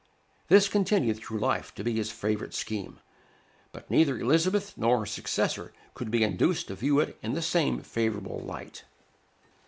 This continued through life to be his favorite scheme; but neither Elizabeth nor her successor could be induced to view it in the same favorable light.